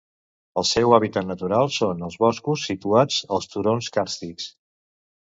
El seu hàbitat natural són els boscos situats a turons càrstics.